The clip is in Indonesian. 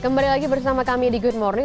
kembali lagi bersama kami di good morning